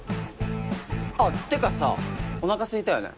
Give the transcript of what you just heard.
あってかさおなかすいたよね？